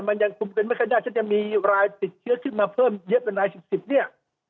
มันยังคุมกันไม่ค่อยได้ฉันจะมีรายติดเชื้อขึ้นมาเพิ่มเยอะเป็นรายสิบเนี่ย